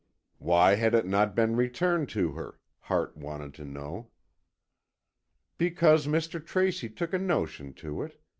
"Why had it not been returned to her?" Hart wanted to know. "Because Mr. Tracy took a notion to it.